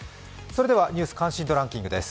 それでは「ニュース関心度ランキング」です。